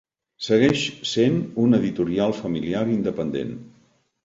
Segueix sent una editorial familiar independent.